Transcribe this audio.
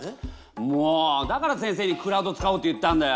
もうだから先生にクラウド使おうって言ったんだよ。